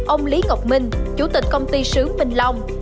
ông lý ngọc minh chủ tịch công ty sứ minh long